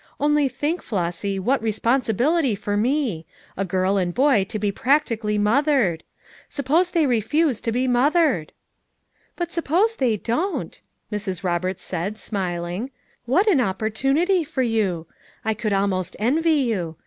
Only think, Flossy, what respon sibility for me; a girl and boy to be practically mothered! Suppose they refuse to be moth ered?" "But suppose they don't," Mrs. Roberts said, smiling, "What an opportunity for you! m —_ 168 FOUE MOTHERS AT CHAUTAUQUA I could almost envy you.